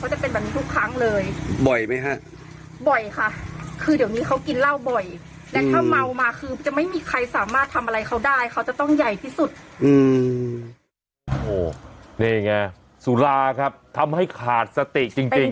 เขาจะต้องใหญ่ที่สุดอืมโอ้นี่ไงสุราครับทำให้ขาดสติจริงจริง